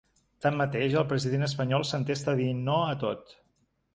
Tanmateix, el president espanyol s’entesta a dir no a tot.